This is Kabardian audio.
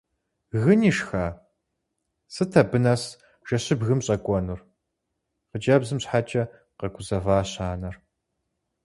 Гын ишха, сыт абы нэс жэщыбгым щӀэкӀуэнур? – хъыджэбзым щхьэкӀэ къэгузэващ анэр.